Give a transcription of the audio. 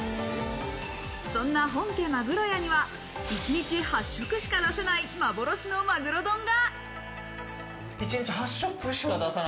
そんな本家鮪屋には１日８食しか出せない幻のマグロ丼が！